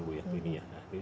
menata kawasan bu